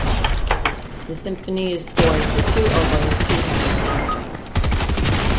The symphony is scored for two oboes, two horns and strings.